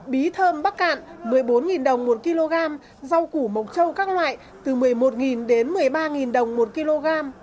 bí thơm bắc cạn một mươi bốn đồng một kg rau củ mộc châu các loại từ một mươi một đến một mươi ba đồng một kg